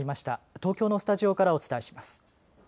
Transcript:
東京のスタジオからお伝えします。